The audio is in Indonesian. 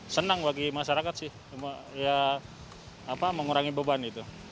senang bagi masyarakat sih ya apa mengurangi beban itu